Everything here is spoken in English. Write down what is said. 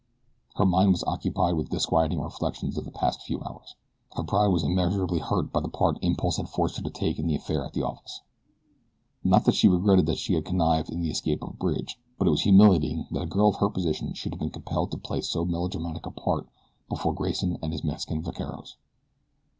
Her mind was occupied with disquieting reflections of the past few hours. Her pride was immeasurably hurt by the part impulse had forced her to take in the affair at the office. Not that she regretted that she had connived in the escape of Bridge; but it was humiliating that a girl of her position should have been compelled to play so melodramatic a part before Grayson and his Mexican vaqueros.